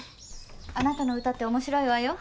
あなたの歌って面白いわよ。